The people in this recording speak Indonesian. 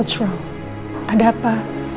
apa yang salah ada apa